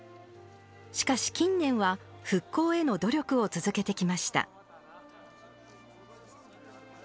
しかし、近年は復興への努力を続けてきました。